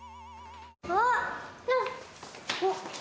あっ！